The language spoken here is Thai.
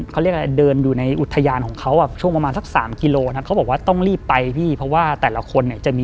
ก็แปลงเหมาะสิทธิภาพเขานะครับ